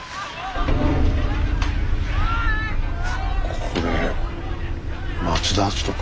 これ松田篤人君。